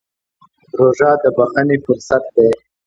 روژه د بښنې فرصت دی.